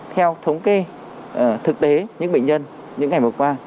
theo thống kê thực tế những bệnh nhân những ngày vừa qua